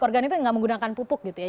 organik itu gak menggunakan pupuk gitu ya